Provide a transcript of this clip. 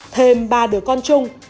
thêm ba đứa con chung